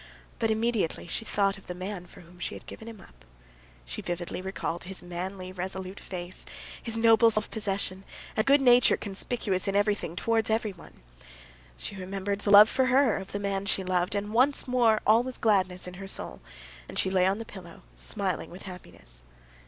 But immediately she thought of the man for whom she had given him up. She vividly recalled his manly, resolute face, his noble self possession, and the good nature conspicuous in everything towards everyone. She remembered the love for her of the man she loved, and once more all was gladness in her soul, and she lay on the pillow, smiling with happiness.